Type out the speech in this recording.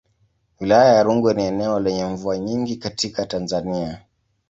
Wilaya ya Rungwe ni eneo lenye mvua nyingi katika Tanzania.